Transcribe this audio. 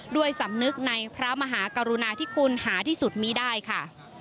ด้วยสำนึกในพระมหากรุณาที่คุณหาที่สุดมีได้ค่ะ